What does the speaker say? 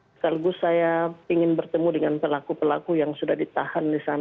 sekaligus saya ingin bertemu dengan pelaku pelaku yang sudah ditahan di sana